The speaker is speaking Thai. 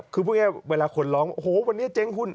คือพูดง่ายเวลาคนร้องโอ้โหวันนี้เจ๊งหุ้น